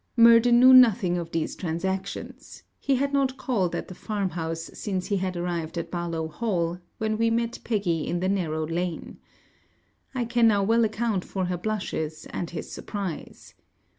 Murden knew nothing of these transactions. He had not called at the farm house since he arrived at Barlowe Hall, when we met Peggy in the narrow lane. I can now well account for her blushes, and his surprise.